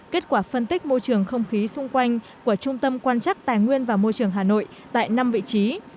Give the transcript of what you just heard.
kết quả phân tích môi trường không khí xung quanh của trung tâm quan chắc tài nguyên và môi trường hà nội tại năm vị trí